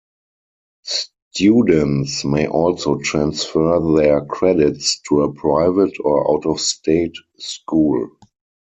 Students may also transfer their credits to a private or out-of-state school.